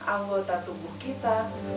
anggota tubuh kita